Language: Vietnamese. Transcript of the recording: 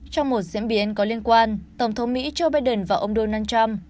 trong một diễn biến có liên quan tổng thống mỹ joe biden và ông donald trump